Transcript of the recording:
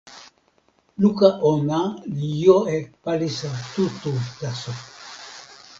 luka ona li jo e palisa tu tu taso.